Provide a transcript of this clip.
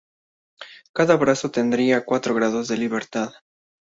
Cada brazo tendría cuatro grados de libertad.